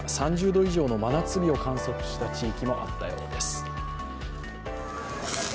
３０度以上の真夏日を観測した地域もあったようです。